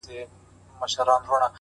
• خلک يې يادونه کوي ډېر..